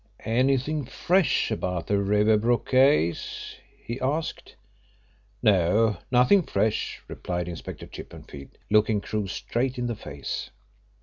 "Anything fresh about the Riversbrook case?" he asked. "No; nothing fresh," replied Inspector Chippenfield, looking Crewe straight in the face.